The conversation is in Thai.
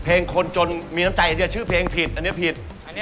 เพลงคนจนมีน้ำใจชื่อเพลงอันเนี้ยผิด